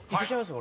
俺。